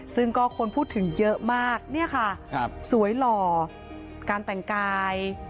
ซึ่งก็คนพูดถึงเยอะมากเนี่ยค่ะสวยหล่อการแต่งกาย